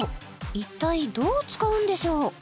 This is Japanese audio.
一体どう使うんでしょう？